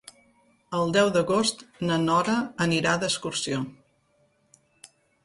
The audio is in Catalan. El deu d'agost na Nora anirà d'excursió.